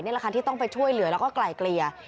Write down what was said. นี่แหละครับที่ต้องไปช่วยเหลือแล้วก็ไกล่เกลี่ย